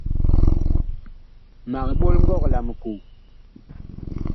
Mag ɓol ngɔg la mikoo.